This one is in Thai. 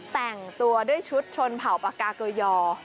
แต่งตัวด้วยชุดชนเผ่าปากกาเกยอ